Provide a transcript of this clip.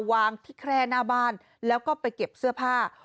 วางที่แคร่หน้าบ้านแล้วก็ไปเก็บเสื้อผ้า